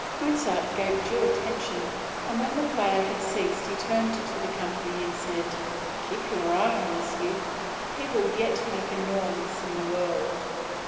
Mozart gave due attention, and when the player had ceased he turned to the company and said, "Keep your eye on this youth he will yet make a noise in the world!"